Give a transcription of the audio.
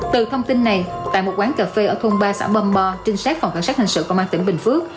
từ thông tin này tại một quán cà phê ở thôn ba xã bâm bo trinh sát phòng cảnh sát hình sự công an tỉnh bình phước